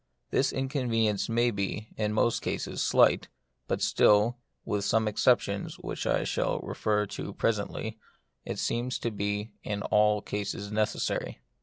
This inconvenience may be, in most cases, slight, but still (with some exceptions which I shall refer to pre 4 46 The Mystery of Pain. sently) it seems to be in all cases necessary.